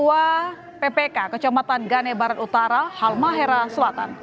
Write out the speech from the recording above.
perbincangan sejak ini terjadi di kepala kepala kepala kepada ppk kecamatan gane barat utara halmahera selatan